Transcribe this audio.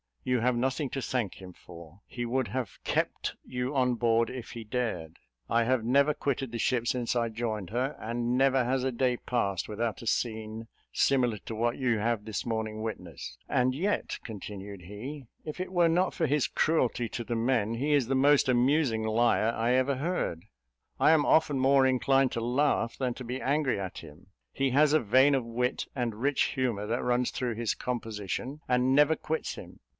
You have nothing to thank him for: he would have kept you on board if he dared. I have never quitted the ship since I joined her; and never has a day passed without a scene similar to what you have this morning witnessed. And yet," continued he, "if it were not for his cruelty to the men, he is the most amusing liar I ever heard. I am often more inclined to laugh than to be angry at him; he has a vein of wit and rich humour that runs through his composition, and never quits him.